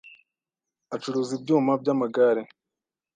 acuruza ibyuma by’amagare